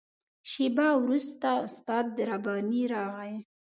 شېبه وروسته استاد رباني راغی.